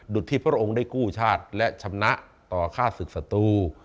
ที่พระองค์ได้กู้ชาติและชำนะต่อค่าศึกศัตรู